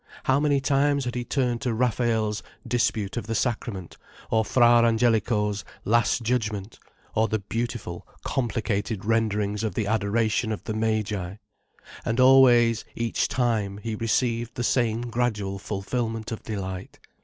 How many times had he turned to Raphael's "Dispute of the Sacrament" or Fra Angelico's "Last Judgment" or the beautiful, complicated renderings of the Adoration of the Magi, and always, each time, he received the same gradual fulfilment of delight.